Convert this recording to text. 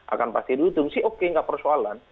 akan pasti dihitung sih oke nggak persoalan